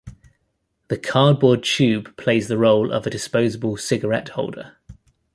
The cardboard tube plays the role of a disposable cigarette holder.